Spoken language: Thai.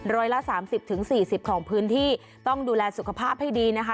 ร้อยละ๓๐๔๐ของพื้นที่ต้องดูแลสุขภาพให้ดีนะคะ